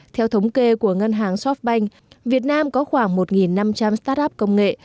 theo thống kê của ngân hàng softbank việt nam có khoảng một năm trăm linh startup công nghệ